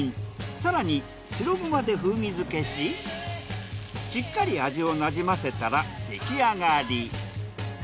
更に白ゴマで風味づけししっかり味をなじませたら出来上がり。